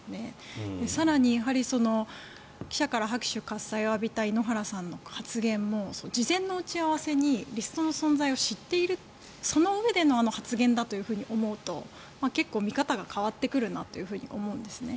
更に、記者から拍手喝さいを浴びた井ノ原さんの発言も事前の打ち合わせでリストの存在を知っているそのうえでのあの発言だと思うと結構、見方が変わってくるなと思うんですね。